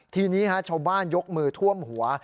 ทีนี้ชาวบ้านยกมือท่วมหัว